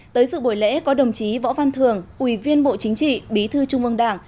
tới sự buổi lễ có đồng chí võ văn thường ủy viên bộ chính trị bí thư trung ương đảng